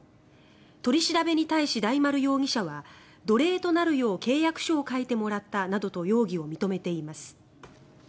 取り調べに対し、大丸容疑者は奴隷となるよう契約書を書いてもらったなどと容疑を認めています。